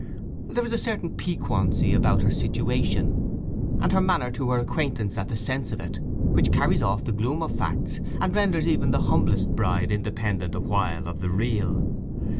There is a certain piquancy about her situation, and her manner to her acquaintance at the sense of it, which carries off the gloom of facts, and renders even the humblest bride independent awhile of the real.